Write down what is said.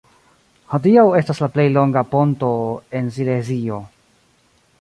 Hodiaŭ estas la plej longa ponto en Silezio.